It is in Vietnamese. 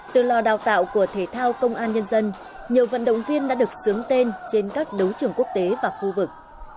từ lò đào tạo của thể thao công an nhân dân nhiều vận động viên đã được sướng tên trên các đấu trường quốc tế và khu vực